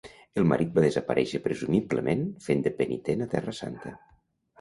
El marit va desaparèixer presumiblement fent de penitent a Terra Santa.